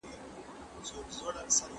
د وګړو او ټولنې ترمنځ متقابل عمل شته.